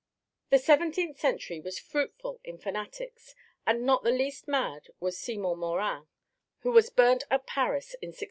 The seventeenth century was fruitful in fanatics, and not the least mad was Simon Morin, who was burnt at Paris in 1663.